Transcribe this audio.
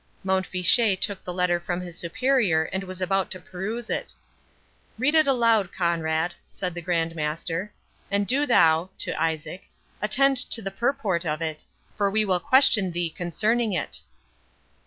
Mont Fitchet took the letter from his Superior, and was about to peruse it. "Read it aloud, Conrade," said the Grand Master,—"and do thou" (to Isaac) "attend to the purport of it, for we will question thee concerning it."